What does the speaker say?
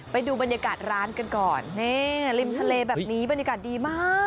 ไปดูบรรยากาศร้านกันก่อนนี่ริมทะเลแบบนี้บรรยากาศดีมาก